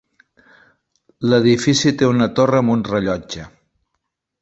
L"edifici té una torre amb un rellotge.